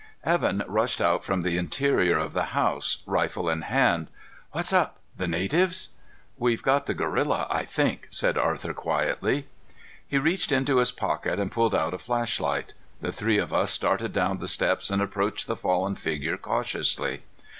Evan rushed out from the interior of the house, rifle in hand. "What's up? The natives?" "We've got the gorilla, I think," said Arthur quietly. He reached into his pocket and pulled out a flash light. The three of us started down the steps and approached the fallen figure cautiously.